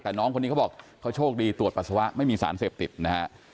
แต่น้องคนนี้เขาบอกเขาโชคดีตรวจปัสสาวะไม่มีสารเสพติดนะฮะ